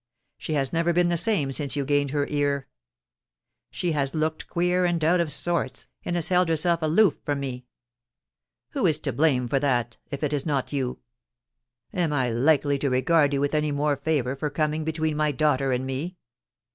She has never been the same since you gained her ear. She has looked queer and out of sorts, and has held herself aloof from me. Who is to blame for that if it is not you ? Am I likely to regard you with any more favour for coming between my daughter and me